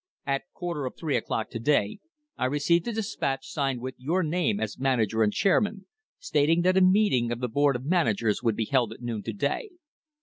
At quarter of three o'clock to day I received a despatch signed with your name as manager and chairman, stating that a meeting of the Board of Managers would be held at noon to day.